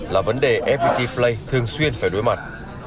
là vấn đề fpt play thường xuyên phải đối mặt